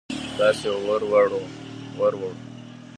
لاس يې ور ووړ.